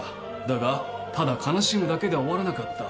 だがただ悲しむだけでは終わらなかった。